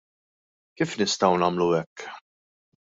Kif nistgħu nagħmlu hekk?